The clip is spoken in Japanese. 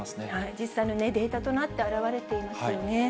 実際のデータとなって表れていますよね。